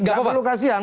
nggak perlu kasihan